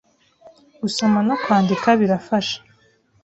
gusoma no kwandika. birafasha